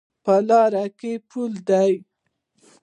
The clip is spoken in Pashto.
په لاره کې یو پل ده